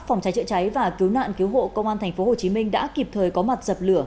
phòng cháy chữa cháy và cứu nạn cứu hộ công an tp hcm đã kịp thời có mặt dập lửa